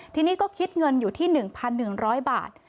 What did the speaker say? ทีนี้ก็คิดเงินอยู่ที่๑๑๐๐บาท